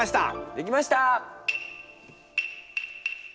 できました！